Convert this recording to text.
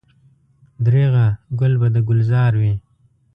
درېغه ګل به د ګلزار وي.